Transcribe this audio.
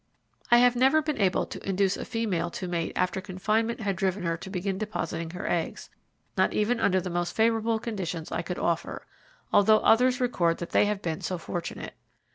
I never have been able to induce a female to mate after confinement had driven her to begin depositing her eggs, not even under the most favourable conditions I could offer, although others record that they have been so fortunate.